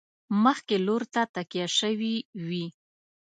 مخکې لور ته تکیه شوي وي.